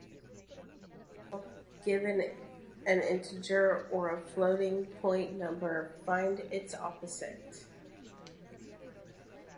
Very simple, given an integer or a floating-point number, find its opposite.